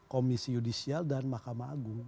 komisi yudisial dan mahkamah agung